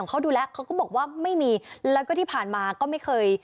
เขาดูแลเขาก็บอกว่าไม่มีแล้วก็ที่ผ่านมาก็ไม่เคย